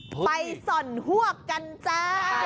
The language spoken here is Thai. ส่อนฮวกกันจ้า